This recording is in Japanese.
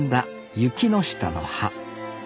ユキノシタの葉。